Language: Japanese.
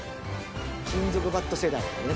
金属バット世代だよね